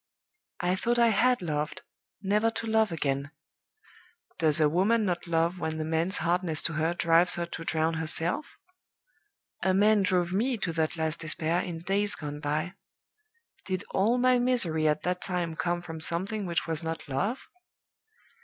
I thought I had loved, never to love again. Does a woman not love when the man's hardness to her drives her to drown herself? A man drove me to that last despair in days gone by. Did all my misery at that time come from something which was not Love?